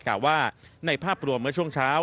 กล่าวว่าในภาพรวมเมื่อช่วงเช้า